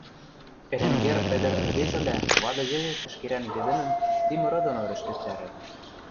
Эренгер ӹдӹр-ӹрвезӹвлӓ вады йӹде тӹшкерӓн йӹдӹмӹм ти мыры доно рӹшкӹктӓрӓт.